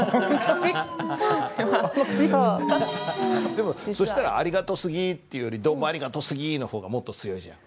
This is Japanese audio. でもそしたら「ありがとすぎ」っていうより「どうもありがとすぎ」の方がもっと強いじゃん。